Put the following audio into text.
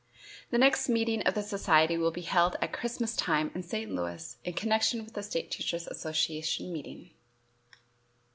The next meeting of the society will be held at Christmas time in St. Louis in connection with the State Teachers' Association meeting.